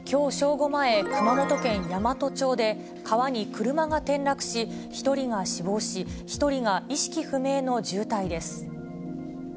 午前、熊本県山都町で、川に車が転落し、１人が死亡し、１人が意識不明の重体です。